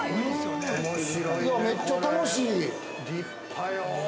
◆めっちゃ楽しい。◆立派よ。